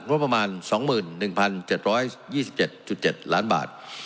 ประมาณ๒๑๗๒๗๗ล้านบาท